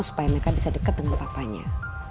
supaya meka bisa deket dengan papanya